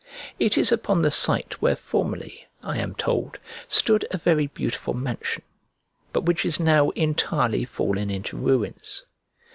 It is upon the site where formerly, I am told, stood a very beautiful mansion, but which is now entirely fallen into ruins.